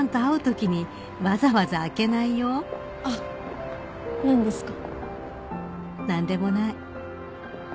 あっ何ですか？